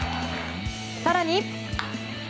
更に。